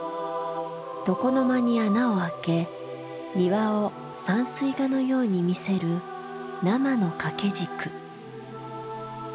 床の間に穴を開け庭を山水画のように見せる生の掛軸。